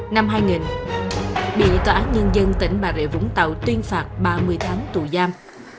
năm hai nghìn bị tòa án nhân dân tỉnh bà rịa vũng tàu tuyên phạt ba mươi tháng tù giam